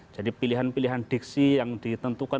jadi pilihan pilihan diksi yang ditentukan